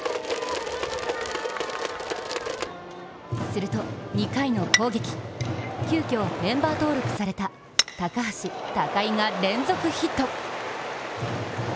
すると２回の攻撃、急きょメンバー登録された高橋・高井が連続ヒット。